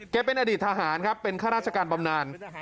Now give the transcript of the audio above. เป็นอดีตทหารครับเป็นข้าราชการบำนาน